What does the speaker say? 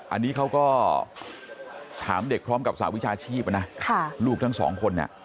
อันนี้เขาก็ถามเด็กพร้อมกับสหวิชาชีพนะลูกทั้งสองคน